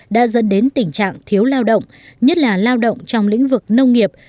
đã dẫn đến tình trạng thiếu lao động nhất là lao động trong lĩnh vực nông nghiệp